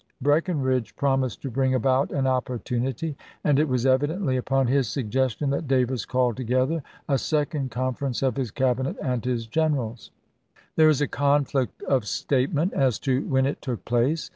Breckinridge promised to bring about an opportunity; and it was evidently upon his suggestion that Davis called together a second conference of his Cabinet n>id., p. 398. and his generals. There is a conflict of statement as to when it took place.